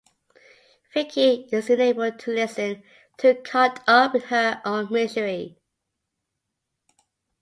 Vicky is unable to listen, too caught up in her own misery.